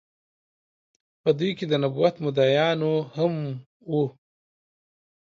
په دوی کې د نبوت مدعيانو هم وو